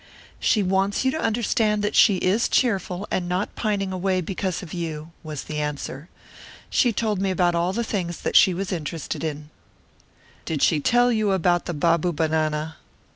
"She wants you to understand that she is cheerful, and not pining away because of you," was the answer. "She told me about all the things that she was interested in." "Did she tell you about the Babubanana?"